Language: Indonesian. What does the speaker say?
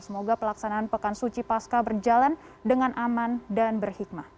semoga pelaksanaan pekan suci pasca berjalan dengan aman dan berhikmat